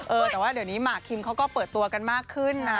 เออแต่ว่าเดี๋ยวนี้หมากคิมเขาก็เปิดตัวกันมากขึ้นนะ